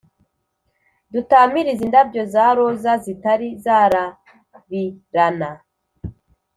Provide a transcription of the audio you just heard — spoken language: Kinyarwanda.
dutamirize indabyo za roza zitari zarabirana;